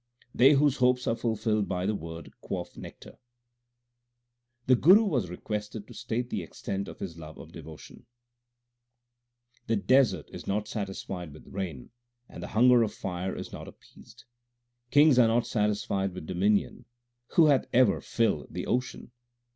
They whose hopes are fulfilled by the Word quaff nectar. The Guru was requested to state the extent of his love of devotion : The desert is not satisfied with rain, and the hunger of fire is not appeased ; Kings are not satisfied with dominion ; who hath ever filled the ocean